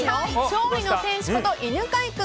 勝利の天使こと犬飼君。